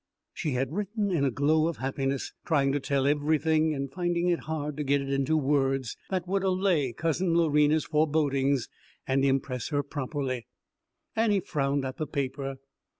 She had written in a glow of happiness, trying to tell everything and finding it hard to get it into words that would allay Cousin Lorena's forebodings and impress her properly. Annie frowned at the paper.